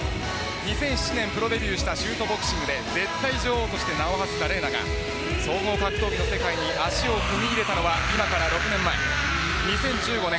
２００７年プロデビューしシュートボクシングで絶対女王として名を馳せたＲＥＮＡが総合格闘技の世界に足を踏み入れたのは今から６年前２０１５年